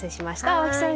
青木さん